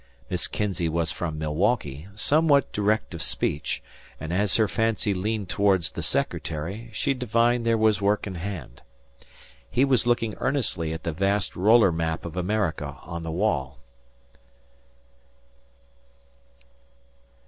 Miss Kinzey was from Milwaukee, somewhat direct of speech; and as her fancy leaned towards the secretary, she divined there was work in hand. He was looking earnestly at the vast roller map of America on the wall.